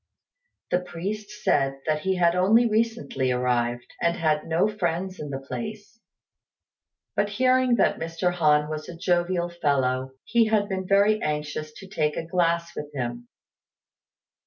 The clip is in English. The priest said that he had only recently arrived, and had no friends in the place; but hearing that Mr. Han was a jovial fellow, he had been very anxious to take a glass with him.